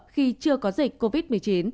khi chưa có dịch covid một mươi chín